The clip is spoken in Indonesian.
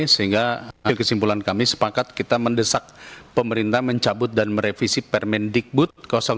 sehingga kesimpulan kami sepakat kita mendesak pemerintah mencabut dan merevisi permendikbud dua dua ribu dua puluh empat